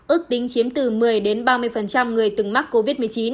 ước tính chiếm từ một mươi ba mươi người từng mắc covid một mươi chín